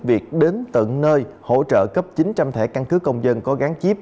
việc đến tận nơi hỗ trợ cấp chín trăm linh thẻ căn cứ công dân có gán chiếp